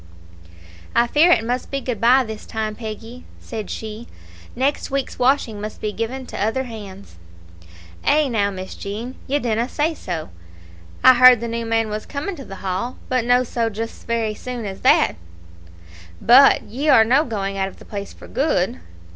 "I fear it must be good bye this time, Peggy," said she; "next week's washing must be given to other hands." "Eh, now, Miss Jean, ye dinna say so. I heard the new man was coming to the Hall, but no just so very soon as that. But ye are no going out of the place for good?"